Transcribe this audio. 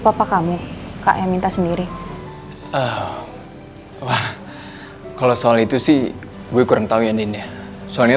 papa kamu kak yang minta sendiri wah kalau soal itu sih gue kurang tahu ini soalnya